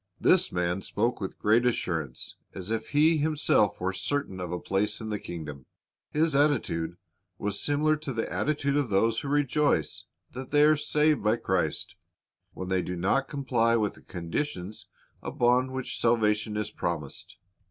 This man spoke with great assurance, as if he himself were certain of a place in the kingdom. His attitude was similar to the attitude of those who rejoice that they are saved by Christ, when they do not comply with the conditions upon which salvation is promised.